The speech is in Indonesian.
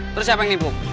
terus siapa yang nipuk